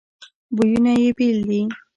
بویونه یې بیل دي.